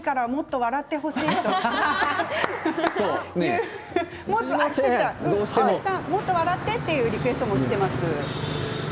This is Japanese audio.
笑い声もっと笑ってというリクエストもきています。